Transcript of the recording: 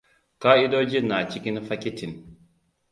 Ka'idojin na cikin fakitin.